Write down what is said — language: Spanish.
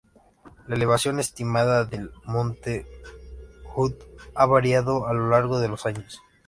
La elevación estimada del monte Hood ha variado a lo largo de los años.